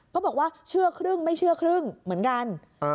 ก็บอกว่าเชื่อครึ่งไม่เชื่อครึ่งเหมือนกัน